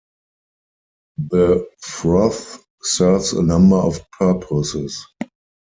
The froth serves a number of purposes.